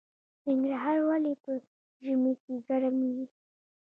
ننګرهار ولې په ژمي کې ګرم وي؟